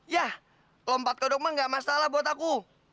yah lompat kodok mah gak masalah buat aku